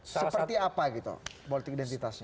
seperti apa gitu politik identitasnya